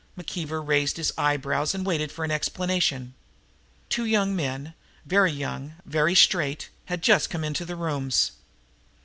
McKeever raised his eyebrows and waited for an explanation. Two young men, very young, very straight, had just come into the rooms.